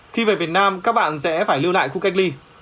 khi về việt nam các bạn sẽ phải lưu lại khu cách ly